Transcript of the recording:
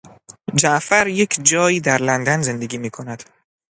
جعفر یک جایی در لندن زندگی میکند.